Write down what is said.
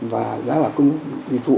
và giá cả cung ứng dịch vụ